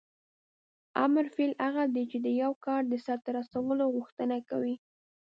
امر فعل هغه دی چې د یو کار د سرته رسولو غوښتنه کوي.